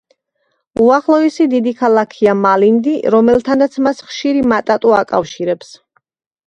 უახლოესი დიდი ქალაქია მალინდი, რომელთანაც მას ხშირი მატატუ აკავშირებს.